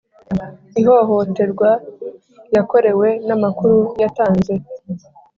ihohoterwa yakorewe n amakuru yatanze